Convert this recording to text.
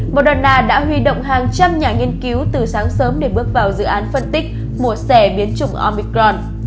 moderna đã huy động hàng trăm nhà nghiên cứu từ sáng sớm để bước vào dự án phân tích mùa xe biến chủng omicron